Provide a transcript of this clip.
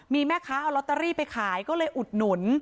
มีแม่ค้าเอาลอตเตอรี่ไปขายก็เลยอุดหนุน